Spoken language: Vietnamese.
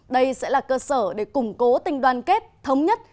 đây sẽ là cơ sở để củng cố tình đoàn kết thống nhất